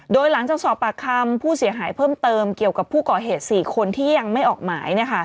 โดยหลังจากสอบปากคำผู้เสียหายเพิ่มเติมเกี่ยวกับผู้ก่อเหตุ๔คนที่ยังไม่ออกหมาย